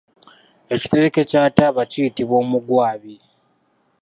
Ekitereke kya taaba kiyitibwa omugwabi.